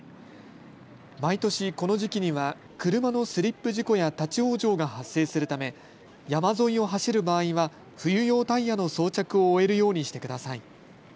毎年この時期には車のスリップ事故や立往生が発生するため山沿いを走る場合は冬用タイヤの装着を終えるようにしてください。